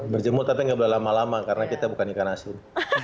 berjemur tapi nggak boleh lama lama karena kita bukan ikan asin